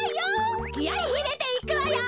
きあいいれていくわよ！